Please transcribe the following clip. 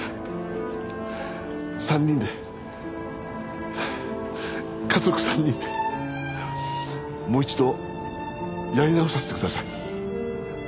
３人で家族３人でもう一度やり直させてください。